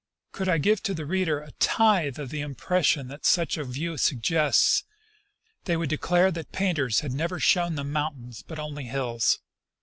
Could I give to the reader a tithe of the impressions that such a view suggests, they would declare that painters had never shown them mountains, but only hills.